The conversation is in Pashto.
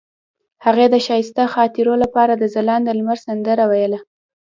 هغې د ښایسته خاطرو لپاره د ځلانده لمر سندره ویله.